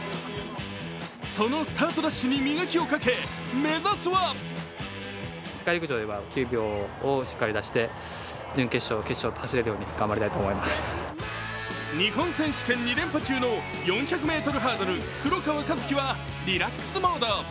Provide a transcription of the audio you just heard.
そのスタートダッシュに磨きをかけ目指すは日本選手権２連覇中の４００ｍハードル、黒川和樹はリラックスモード。